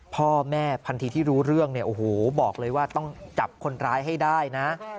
พ่อแม่ทันทีที่รู้เรื่องเนี่ยโอ้โหบอกเลยว่าต้องจับคนร้ายให้ได้นะ